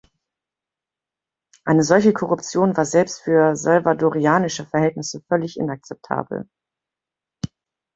Eine solche Korruption war selbst für salvadorianische Verhältnisse völlig inakzeptabel.